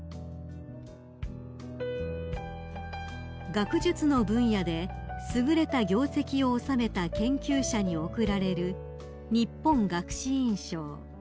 ［学術の分野で優れた業績を収めた研究者に贈られる日本学士院賞］